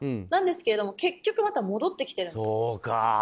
なんですけど結局また戻ってきてるんです。